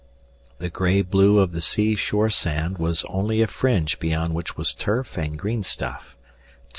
The gray blue of the seashore sand was only a fringe beyond which was turf and green stuff.